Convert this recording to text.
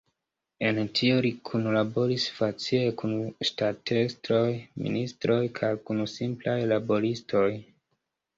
En tio li kunlaboris facile kun ŝtatestroj, ministroj kaj kun simplaj laboristoj.